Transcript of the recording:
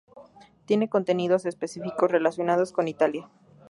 Tiene contenidos específicos relacionados con Italia.